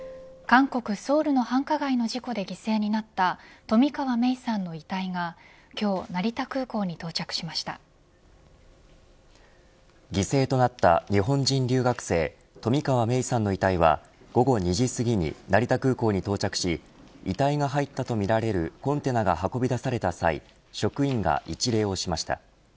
韓国、ソウルの繁華街の事故で犠牲になった冨川芽生さんの遺体が犠牲となった日本人留学生冨川芽生さんの遺体は午後２時すぎに成田空港に到着し遺体が入ったとみられるコンテナが運び出された際職員が一礼をしました。